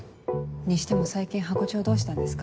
にしても最近ハコ長どうしたんですか？